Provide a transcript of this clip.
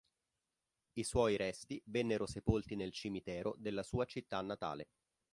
I suoi resti vennero sepolti nel cimitero della sua città natale.